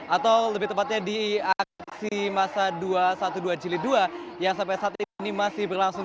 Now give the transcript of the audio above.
atau lebih tepatnya di aksi masa dua ratus dua belas jilid dua yang sampai saat ini masih berlangsung